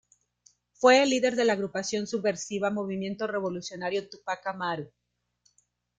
Fue el líder de la agrupación subversiva Movimiento Revolucionario Túpac Amaru.